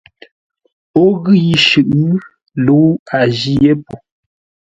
O ghʉ yi shʉʼʉ, lə́u a jî yé po.